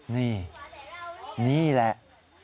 นี่นี่แหละ